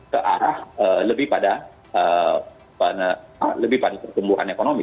ke arah lebih pada pertumbuhan ekonomi